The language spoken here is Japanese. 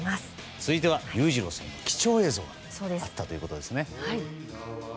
続いては裕次郎さんの貴重映像があったということですね。